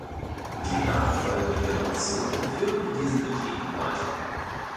Die nachfolgenden Generationen führten diesen Betrieb weiter.